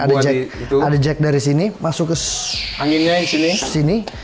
di jack ada jack dari sini masuk ke anginnya di sini